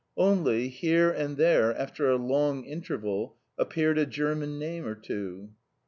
Only, here and there after a long interval, appeared a German name or two.